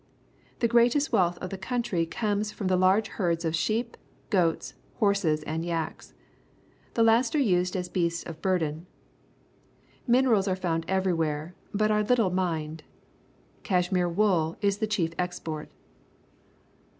The greatest wealth of the country comes from the large herds of sheep, goats, ho r^c . and yak.s._ The last are used as beast ni burden. Mineral s are found everywhere, but are little mined. Cjishmere wool is the chief export.